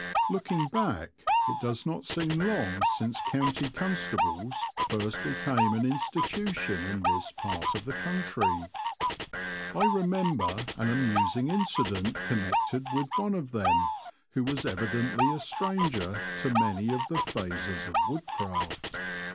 Looking back it does not seem long since county constables first became an insti tution in this part of the country. I remember an amusing incident connected with one of them who was evidently a stranger to many of the phases of woodcraft.